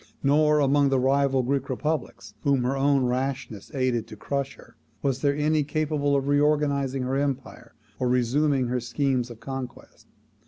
Nor among the rival Greek republics, whom her own rashness aided to crush her, was there any capable of reorganizing her empire, or resuming her schemes of conquest.